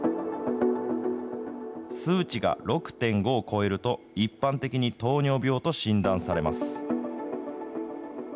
数値が６．５を超えると、一般的に糖尿病と診断されます。